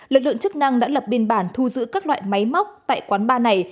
lực lượng chức năng đã lập biên bản thu giữ các loại máy móc tại quán ba này